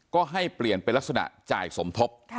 ก็ให้เปลี่ยนเป็นลักษณะจ่ายสมทบ